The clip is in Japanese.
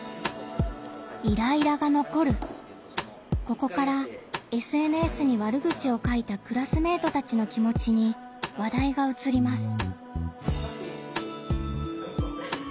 ここからＳＮＳに悪口を書いたクラスメートたちの気もちに話題がうつります。